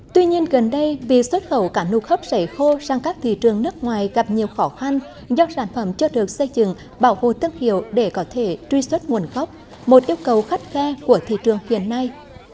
tuy nhiên gần đây vì xuất khẩu cả nụ khốc sảy khô sang các thị trường nước ngoài gặp nhiều khó khăn do sản phẩm chưa được xây dựng bảo hồi thương hiệu để có thể truy xuất nguồn gốc một yêu cầu khắt khe của thị trường hiện nay